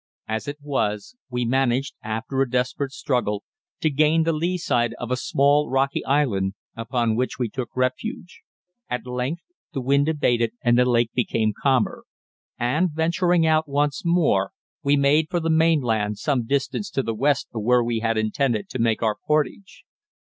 As it was we managed, after a desperate struggle, to gain the lee side of a small, rocky island, upon which we took refuge. At length the wind abated and the lake became calmer, and, venturing out once more, we made for the mainland some distance to the west of where we had intended to make our portage.